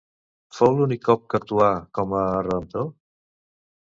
Fou l'únic cop que actuà com a redemptor?